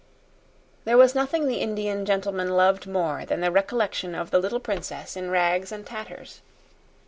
There was nothing the Indian gentleman loved more than the recollection of the little princess in rags and tatters.